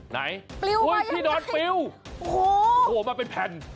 ไหนปลิวไว้อย่างนี้โอ้โฮโอ้โฮที่นอนปลิวมาเป็นแผ่น